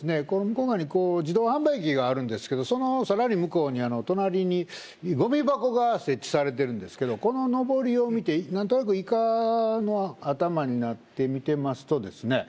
この隣自動販売機があるんですけどそのさらに向こうにあの隣にゴミ箱が設置されてるんですけどこののぼりを見て何となくイカの頭になって見てますとですね